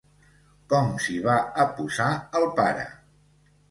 Com s'hi va a posar el pare?